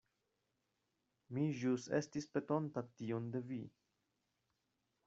Mi ĵus estis petonta tion de vi.